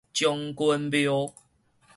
將軍廟